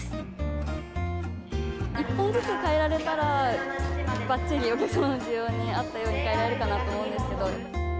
１本ずつ変えられたら、ばっちり、お客様の需要に合ったように変えられるかなと思うんですけど。